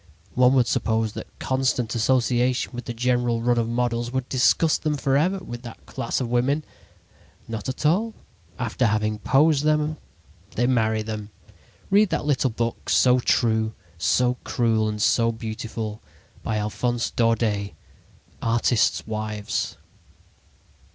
One would suppose that constant association with the general run of models would disgust them forever with that class of women. Not at all. After having posed them they marry them. Read that little book, so true, so cruel and so beautiful, by Alphonse Daudet: 'Artists' Wives.'